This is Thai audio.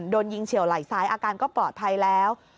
โดนยิงเฉียวไหล่ซ้ายอาการก็ปลอดภัยแล้ว